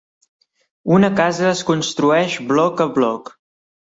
Una casa es construeix bloc a bloc.